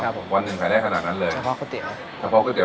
ผมวันหนึ่งขายได้ขนาดนั้นเลยเฉพาะก๋วยเตี๋ยวเฉพาะก๋ว